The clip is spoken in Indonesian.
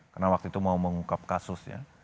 karena waktu itu mau mengungkap kasus ya